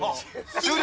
終了？